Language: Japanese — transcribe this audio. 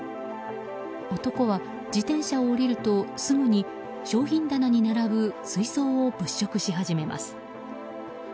男は自転車を降りるとすぐに商品棚に並ぶ水槽を物色し始めます。